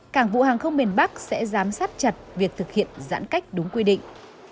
cảng vụ hàng không miền bắc sẽ giám sát chặt việc thực hiện giãn cách đúng quy định